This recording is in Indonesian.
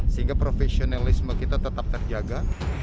sehingga profesionalisme kita tetap terjaga